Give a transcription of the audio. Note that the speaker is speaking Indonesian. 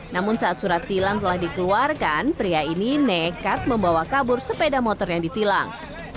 namun saat surat tilang telah dikeluarkan pria ini nekat membawa kabur sepeda motor yang ditilang